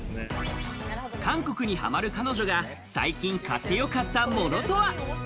韓国にハマる彼女が最近買ってよかったものとは？